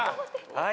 はい。